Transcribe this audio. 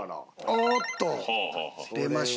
おーっと！出ました。